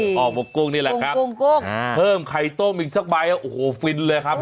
ห่อหมกกุ้งนี่แหละครับกุ้งกุ้งเพิ่มไข่ต้มอีกสักใบโอ้โหฟินเลยครับ